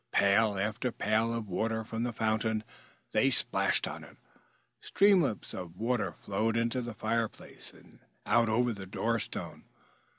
Pail after pail of water from the fountain they splashed on it. Streamlets of water flowed into the fireplace and out over the door stone.